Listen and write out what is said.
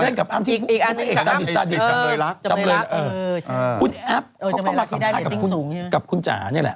คุณแอ๊บเขาก็มาสัมภาษณ์กับคุณจ่าย